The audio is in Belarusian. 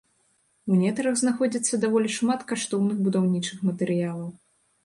У нетрах знаходзіцца даволі шмат каштоўных будаўнічых матэрыялаў.